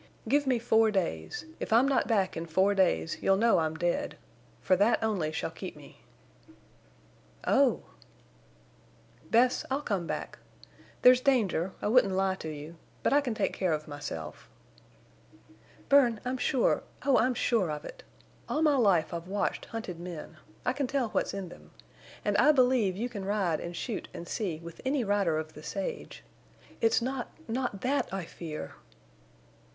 "Give me four days. If I'm not back in four days you'll know I'm dead. For that only shall keep me." "Oh!" "Bess, I'll come back. There's danger—I wouldn't lie to you—but I can take care of myself." "Bern, I'm sure—oh, I'm sure of it! All my life I've watched hunted men. I can tell what's in them. And I believe you can ride and shoot and see with any rider of the sage. It's not—not that I—fear."